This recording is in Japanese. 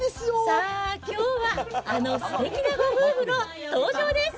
さあ、きょうは、あのすてきなご夫婦の登場です。